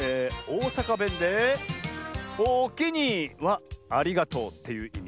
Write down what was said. おおさかべんで「おおきに」は「ありがとう」っていういみ。